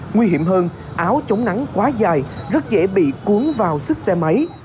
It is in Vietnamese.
nguy hiểm hơn áo chống nắng quá dài rất dễ bị cuốn vào xích xe máy